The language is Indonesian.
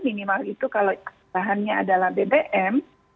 minimal itu kalau bahannya adalah bbm